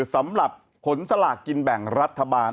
สำหรับผลสลากกินแบ่งรัฐบาล